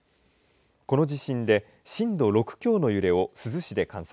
この地震で震度６強の揺れを珠洲市で観測。